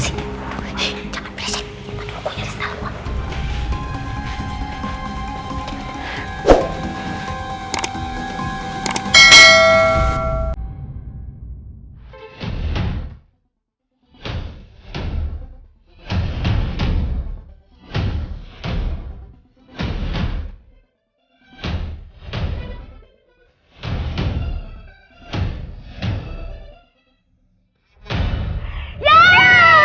ini lebih mantep nih kalau kena kembali